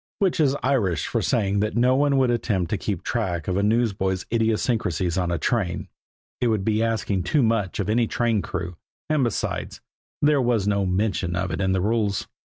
Which is Irish for saying that no one would attempt to keep track of a newsboy's idiosyncrasies on a train; it would be asking too much of any train crew; and, besides, there was no mention of it in the rules.